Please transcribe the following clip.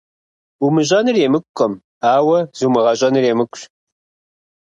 Умыщӏэныр емыкӏукъым, ауэ зумыгъэщӏэныр емыкӏущ.